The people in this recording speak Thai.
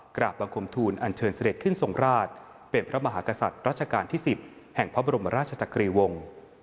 กราบบังคมทูลอันเชิญเสด็จขึ้นทรงราชเป็นพระมหากษัตริย์รัชกาลที่๑๐แห่งพระบรมราชจักรีวงศ์